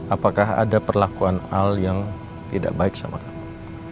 apakah ada perlakuan al yang tidak baik sama kamu